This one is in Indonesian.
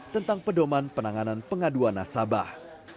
tentang pedoman penanganan pengaduan nasabah